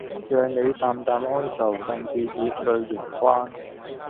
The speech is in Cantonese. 讓你淡淡哀愁、甚至熱淚盈眶